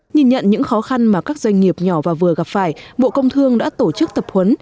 nhìn nhận những khó khăn mà các doanh nghiệp nhỏ và vừa gặp phải bộ công thương đã tổ chức tập huấn